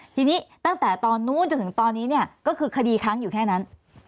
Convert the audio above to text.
ทีนี้ตั้งแต่ตอนนู้นจนถึงตอนนี้เนี่ยก็คือคดีค้างอยู่แค่นั้น